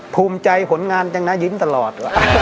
ภูมิใจผลงานจังนะยิ้มตลอด